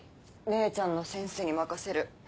姉ちゃんのセンスに任せる。